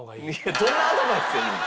どんなアドバイスやねん？